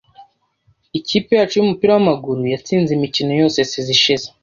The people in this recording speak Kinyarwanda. Ikipe yacu yumupira wamaguru yatsinze imikino yose saison ishize.